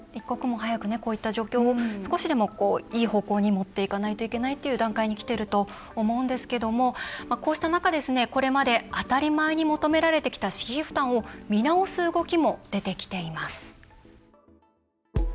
こういった状況を少しでもいい方向に持っていかないといけないっていう段階にきていると思うんですがこうした中これまで当たり前に求められてきた私費負担を見直す動きも出てきています。